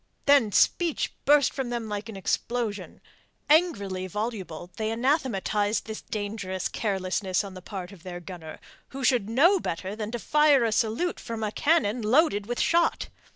Then speech burst from them like an explosion. Angrily voluble they anathematized this dangerous carelessness on the part of their gunner, who should know better than to fire a salute from a cannon loaded with shot.